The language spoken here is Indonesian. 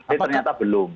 tapi ternyata belum